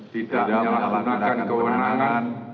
tidak menyalahgunakan kewenangan